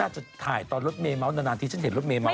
น่าจะถ่ายตอนรถเมเมาส์นานที่ฉันเห็นรถเมเมาส์